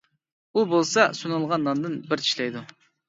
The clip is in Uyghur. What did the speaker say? ئۇ بولسا، سۇنۇلغان ناندىن بىر چىشلەيدۇ.